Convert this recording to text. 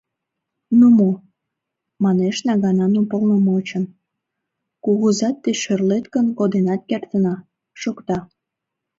— Ну мо, — манеш наганан уполномочын, — кугызат деч шӧрлет гын, коденат кертына, — шокта.